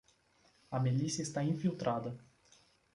A milícia está infiltrada.